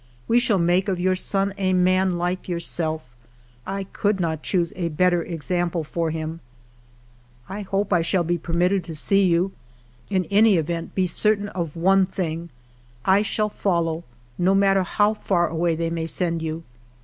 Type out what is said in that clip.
We shall make of your son a man like yourself; I could not choose a better example for him. 28 FIVE YEARS OF MY LIFE " I hope I shall be permitted to see you. In any event, be certain of one thing, — I shall fol low, no matter how far away they may send you.